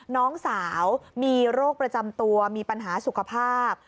น้องสาวมีโรคประจำตัวมีปัญหาสุขภาพ